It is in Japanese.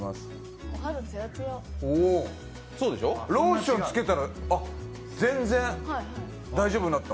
おお、ローションつけたら全然大丈夫になった。